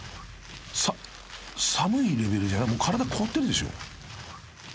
［さ寒いレベルじゃないもう体凍ってるでしょ］